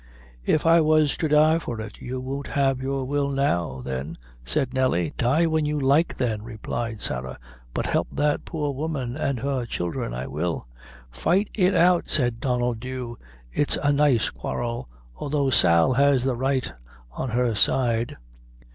"If I was to die for it, you won't have your will now, then," said Nelly. "Die when you like, then," replied Sarah; "but help that poor woman an' her childhre I will." "Fight it out," said Donnel Dhu, "its a nice quarrel, although Sal has the right on her side."